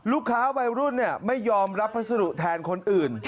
ลูกค้าวัยรุ่นเนี่ยไม่ยอมรับพัสดุแทนคนอื่น